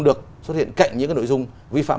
được xuất hiện cạnh những nội dung vi phạm